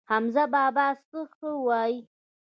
حمزه بابا څه ښه وايي.